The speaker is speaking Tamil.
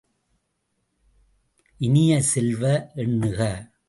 இனிய செல்வ, எண்ணுக!